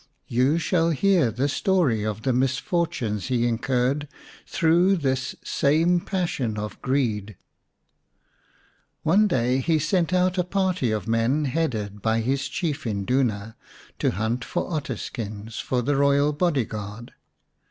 You shall hear the story of the misfortunes he incurred through this same passion of greed. One day he sent out a party of men headed by his chief Induna to hunt for otter skins for ' the royal body guard.